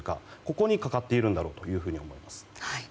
ここにかかっているんだろうと思います。